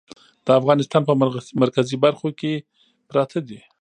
د افغانستان په مرکزي برخو کې پراته دي.